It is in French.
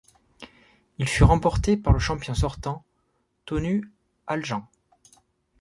Il fut remporté par le champion sortant, Tõnu Haljand.